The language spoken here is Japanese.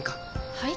はい？